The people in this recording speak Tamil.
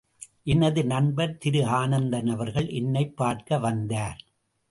எனது நண்பர் திரு ஆனந்தன் அவர்கள் என்னைப் பார்க்க வந்தார்.